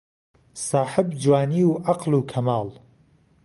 ساحب جوانی و عهقل و کهماڵ